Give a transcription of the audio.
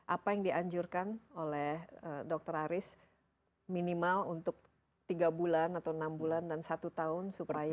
apa yang dianjurkan oleh dokter aris minimal untuk tiga bulan atau enam bulan dan satu tahun supaya